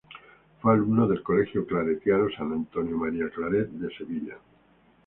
Fue alumno del colegio claretiano "San Antonio María Claret" de Sevilla.